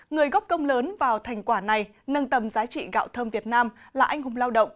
người góp công lớn vào thành quả này nâng tầm giá trị gạo thơm việt nam là anh hùng lao động